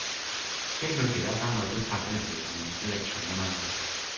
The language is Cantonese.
驚佢其他單位都拆咗人哋埲主力牆吖嘛